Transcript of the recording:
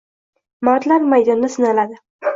Mardlar maydonda sinaladi